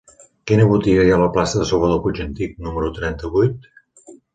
Quina botiga hi ha a la plaça de Salvador Puig i Antich número trenta-vuit?